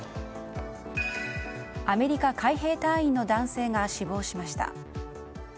アメリカ海兵隊員の男性が死亡しました。